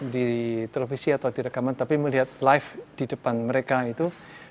di televisi atau di rekaman tapi melihat live di depan mereka itu